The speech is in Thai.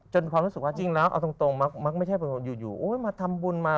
ความรู้สึกว่าจริงแล้วเอาตรงมักไม่ใช่อยู่มาทำบุญมา